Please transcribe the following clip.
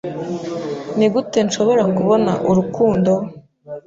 Nigute nshobora kubona urukundo